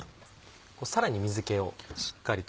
さらに水気をしっかりと。